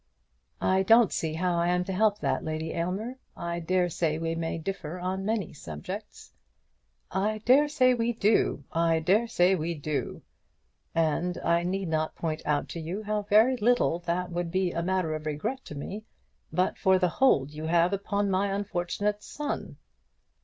"I don't see how I am to help that, Lady Aylmer. I dare say we may differ on many subjects." "I dare say we do. I dare say we do. And I need not point out to you how very little that would be a matter of regret to me, but for the hold you have upon my unfortunate son."